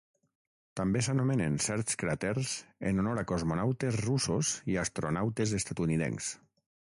També s'anomenen certs cràters en honor a cosmonautes russos i astronautes estatunidencs.